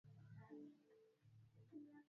chemsha mafuta hadi yachemke